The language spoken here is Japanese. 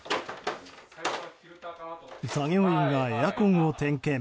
作業員がエアコンを点検。